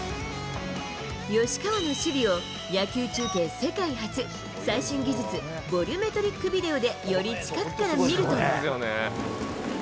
吉川の守備を、野球中継世界初、最新技術、ボリュメトリックビデオでより近くから見ると。